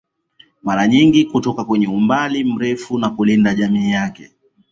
Mara nyingi kutoka kwenye umbali mrefu na kulinda jamii yake